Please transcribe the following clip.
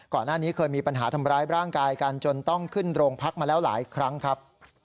ก่อนหน้านี้เคยมีปัญหาทำร้ายร่างกายกันจนต้องขึ้นโรงพักมาแล้วหลายครั้งครับ